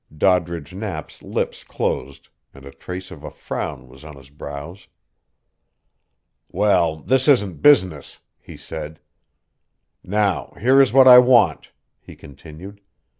Doddridge Knapp's lips closed, and a trace of a frown was on his brows. "Well, this isn't business," he said. "Now here is what I want," he continued.